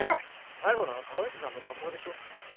最後のは川藤さんの願望でしょ？